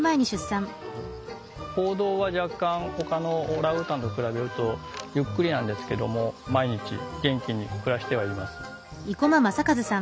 行動は若干ほかのオランウータンと比べるとゆっくりなんですけども毎日元気に暮らしてはいます。